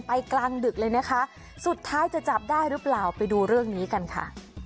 กลางดึกเลยนะคะสุดท้ายจะจับได้หรือเปล่าไปดูเรื่องนี้กันค่ะ